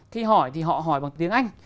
khi hỏi thì họ hỏi bằng tiếng anh